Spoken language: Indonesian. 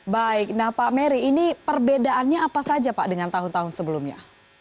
baik nah pak mary ini perbedaannya apa saja pak dengan tahun tahun sebelumnya